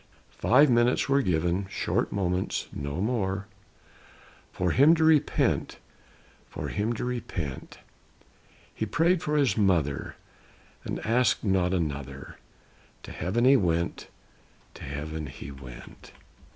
Five minutes were given, short moments, no more, For him to repent; for him to repent. He pray'd for his mother, he ask'd not another, To Heaven he went; to Heaven he went.